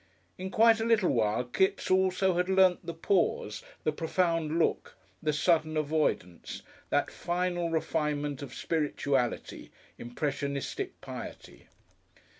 In quite a little while Kipps also had learnt the pause, the profound look, the sudden avoidance, that final refinement of spirituality, impressionistic piety.